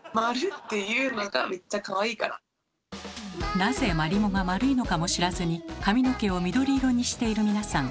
なぜマリモが丸いのかも知らずに髪の毛を緑色にしている皆さん。